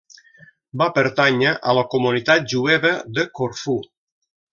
Va pertànyer a la comunitat jueva de Corfú.